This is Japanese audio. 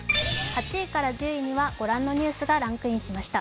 ８位から１０位にはご覧のニュースがランクインしました。